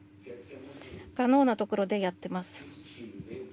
可能なところでやってます。